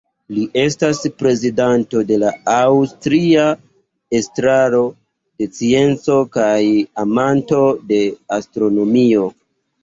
Li estas prezidanto de la Aŭstria Estraro de Scienco kaj amanto de astronomio.